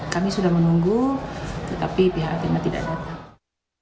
kami sudah menunggu tetapi pihak atma tidak datang